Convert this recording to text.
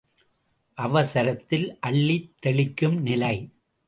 அவசரத்தில் அள்ளித் தெளிக்கும் நிலை!